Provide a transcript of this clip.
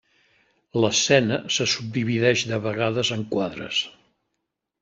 L'escena se subdivideix de vegades en quadres.